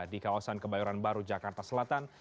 di kawasan kebayoran baru jakarta selatan